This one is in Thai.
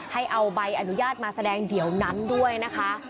ให้เอาใบอนุญาตมาแสดงเดี๋ยวนั้นด้วยนะคะ